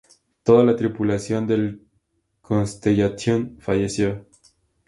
Toda la tripulación del Constellation falleció.